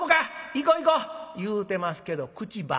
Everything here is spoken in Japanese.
『行こ行こ』言うてますけど口ばっかり。